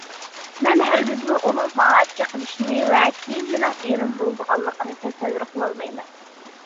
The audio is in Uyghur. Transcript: مەن ھەرگىزمۇ ئۇنىڭ ماڭا چېقىلىشىنى ۋە كېيىن مېنىڭ ئېرىم بولىدىغانلىقىنى تەسەۋۋۇر قىلالمايمەن.